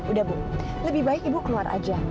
udah bu lebih baik ibu keluar aja